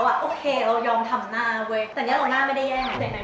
แล้วทีมทำนมเลยคิดไง